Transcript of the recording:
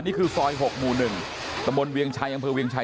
นี่คือซอย๖หมู่๑ตะบลเวียงชายจังหวัดเครงราย